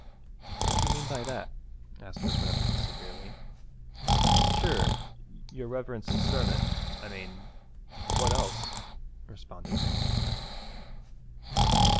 'What do you mean by that?' asked his Reverence severely. 'Sure, your Reverence's sermon, I mane, what else?' responded Mick.